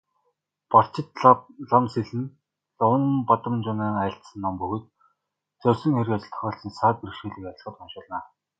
Барчидламсэл нь Ловонбадамжунайн айлдсан ном бөгөөд зорьсон хэрэг ажилд тохиолдсон саад бэрхшээлийг арилгахад уншуулна.